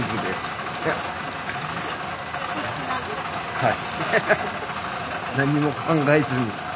はい。